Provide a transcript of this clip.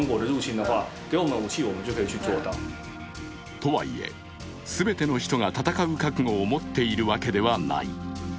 とはいえ、全ての人が戦う覚悟を持っているわけではない。